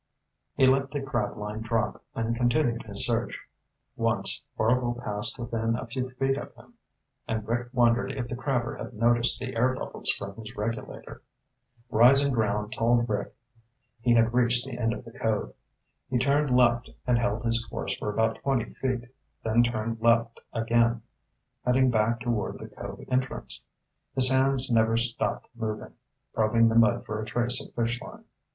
He let the crab line drop and continued his search. Once, Orvil passed within a few feet of him, and Rick wondered if the crabber had noticed the air bubbles from his regulator. Rising ground told Rick he had reached the end of the cove. He turned left and held his course for about twenty feet, then turned left again, heading back toward the cove entrance. His hands never stopped moving, probing the mud for a trace of fish line.